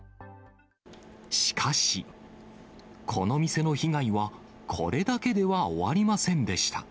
しかし、この店の被害は、これだけでは終わりませんでした。